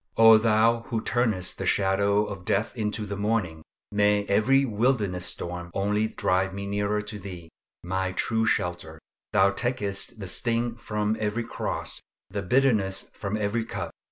O Thou who turnest the shadow of death into the morning, may every wilderness storm only drive me nearer Thyself, my true shelter. Thou takest the sting from every cross, the bitterness from every cup.